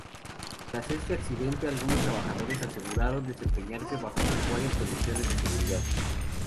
Tras este accidente, algunos trabajadores aseguraron desempeñarse bajo precarias condiciones de seguridad.